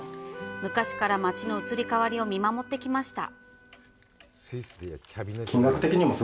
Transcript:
昔から町の移り変わりを見守ってきました。